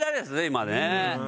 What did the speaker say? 今ね。